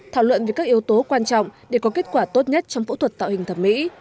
thảo luận về các yếu tố quan trọng để có kết quả tốt nhất trong phẫu thuật tạo hình thẩm mỹ